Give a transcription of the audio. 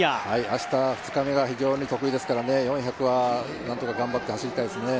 明日、２日目が非常に得意ですから、４００は何とか頑張って走りたいですね。